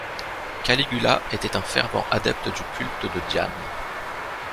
Caligula était un fervent adepte du culte de Diane.